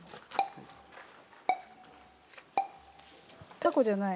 たこじゃない。